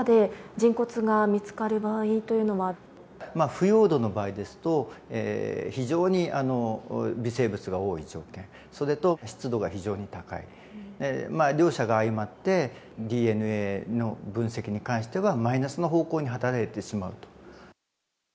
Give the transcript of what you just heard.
腐葉土ですと非常に微生物が多い場景それと湿度が非常に高い両者が相まってＤＮＡの分析に関してはマイナスの方向に働いてしまうと。